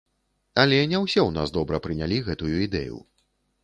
Але не ўсе ў нас добра прынялі гэтую ідэю.